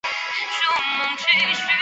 他是四家香港上市公司的主席。